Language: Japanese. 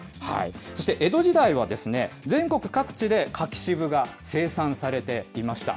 そして江戸時代はですね、全国各地で柿渋が生産されていました。